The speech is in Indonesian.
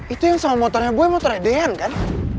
itu yang sama motornya bu motornya deyan kan